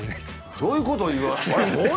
そういうこと言う！